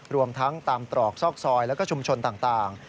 รวมทั้งตามตรอกซอกซอยแล้วก็ชุมชนต่าง